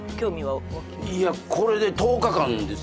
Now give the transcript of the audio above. いやこれで１０日間です